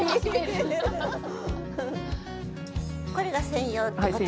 これが専用ってこと？